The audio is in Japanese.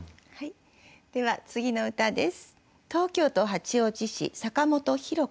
では次の歌です。